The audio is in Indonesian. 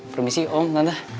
permisi om tante